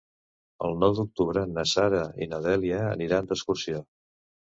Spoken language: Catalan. El nou d'octubre na Sara i na Dèlia aniran d'excursió.